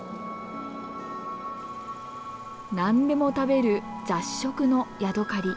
何でも食べる雑食のヤドカリ。